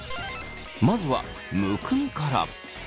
まずはむくみから。